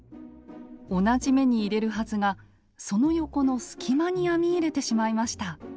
同じ目に入れるはずがその横の隙間に編み入れてしまいました。